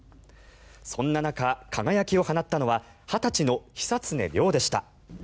そんな中、輝きを放ったのは２０歳の久常涼でした。